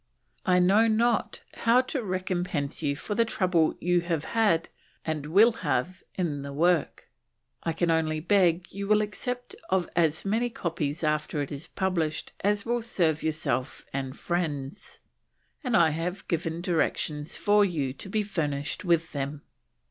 I know not how to recompense you for the trouble you have had and will have in the work. I can only beg you will accept of as many copies after it is published as will serve yourself and friends, and I have given directions for you to be furnished with them.